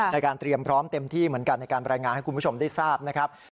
ในการเตรียมพร้อมเต็มที่เหมือนกันในการรายงานให้คุณผู้ชมได้ทราบนะครับ